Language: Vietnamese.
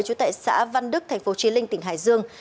trú tại xã văn đức thành phố trí linh tỉnh hải dương